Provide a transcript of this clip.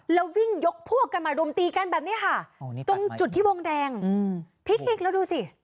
แล้ววิ่งยกพวกกันมารุมตีกันแบบนี้ค่ะตรงจุดที่วงแดงพลิกแล้วดูสิ